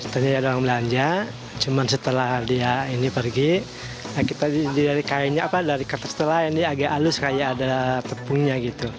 ternyata ada orang belanja cuman setelah dia ini pergi kita dari kainnya apa dari kertas setelah ini agak halus kayak ada tepungnya gitu